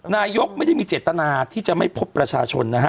นายกไม่ได้มีเจตนาที่จะไม่พบประชาชนนะฮะ